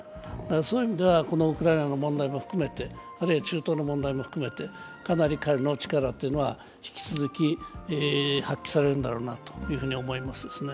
そういう意味ではウクライナの問題も含めてあるいは中東の問題も含めてかなり彼の力というのは引き続き発揮されるんだろうなと思いますね。